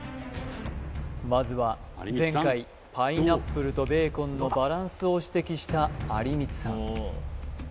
まずは前回パイナップルとベーコンのバランスを指摘した有光さん